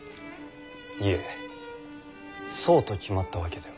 いえそうと決まったわけでは。